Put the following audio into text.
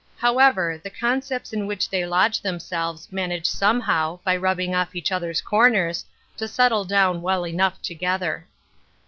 However, the concepts in which they lodge themselves manage somehow, by rubbing off each other's comers, to settle down well enough together.